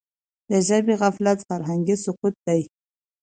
د ژبي غفلت فرهنګي سقوط دی.